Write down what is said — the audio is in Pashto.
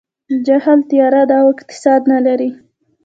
جهل تیاره ده او اقتصاد نه لري.